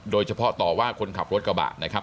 โดยเฉพาะต่อว่าคนขับรถกระบะนะครับ